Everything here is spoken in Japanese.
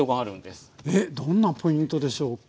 えっどんなポイントでしょうか？